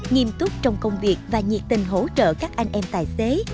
nghiêm túc trong công việc và nhiệt tình hỗ trợ các anh em tài xế